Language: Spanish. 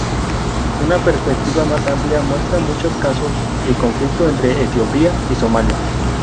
Una perspectiva más amplia muestra muchos casos de conflicto entre Etiopía y Somalia.